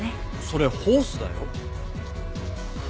それホースだよ？